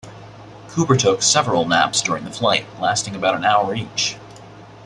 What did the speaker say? Cooper took several naps during the flight, lasting about an hour each.